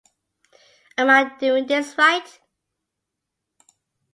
Am I doing this right?